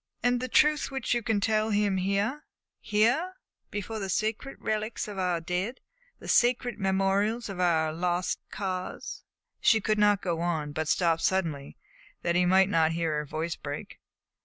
"And the truth which you can tell him here here, before the sacred relics of our dead, the sacred memorials of our Lost Cause " She could not go on, but stopped suddenly that he might not hear her voice break.